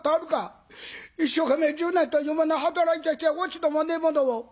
一生懸命１０年というもの働いて落ち度もねえものを。